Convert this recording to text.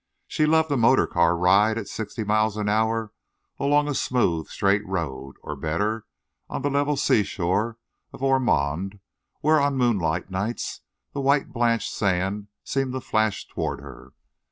She loved a motor car ride at sixty miles an hour along a smooth, straight road, or, better, on the level seashore of Ormond, where on moonlight nights the white blanched sand seemed to flash toward her.